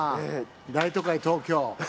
大都会東京。